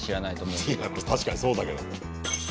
いや確かにそうだけど。